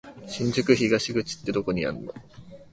新宿東口ってどこにあんの？